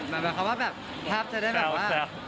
หมายความว่าแบบแทบจะได้แบบว่า